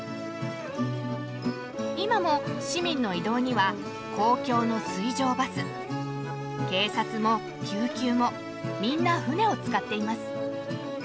今も市民の移動には公共の水上バス警察も救急もみんな船を使っています。